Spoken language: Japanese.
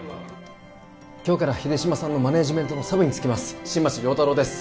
今日から秀島さんのマネージメントのサブにつきます新町亮太郎です